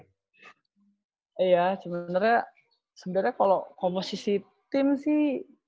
iya sebenarnya kalau komposisi tim sih